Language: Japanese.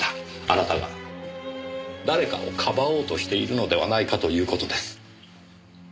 あなたが誰かをかばおうとしているのではないかという事です。